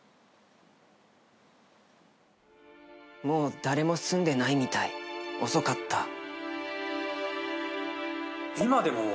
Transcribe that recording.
「もう誰も住んでないみたい遅かった」